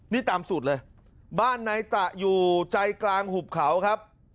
นี่ตามสูตรเลยบ้านนายตะอยู่ใจกลางหุบเขาครับ